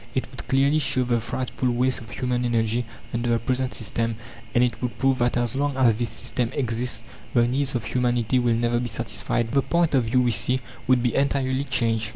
It would clearly show the frightful waste of human energy under the present system, and it would prove that as long as this system exists, the needs of humanity will never be satisfied. The point of view, we see, would be entirely changed.